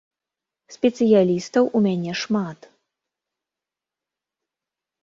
Спецыяльнасцяў у мяне шмат.